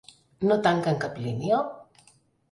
No tanquen cap línia?